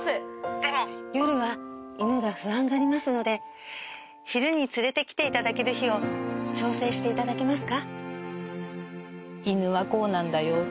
でも夜は犬が不安がりますので昼に連れてきていただける日を調整していただけますか？